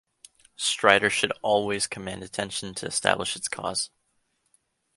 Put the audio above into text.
Stridor should always command attention to establish its cause.